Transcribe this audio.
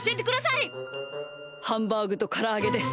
ハンバーグとからあげです。